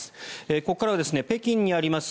ここからは北京にあります